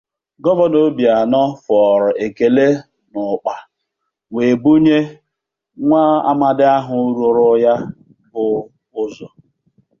Gọvanọ Obianọ fọrọ ekele n'ụkpa wee bunye nwa amadi ahụ rụrụ ya bụ ụzọ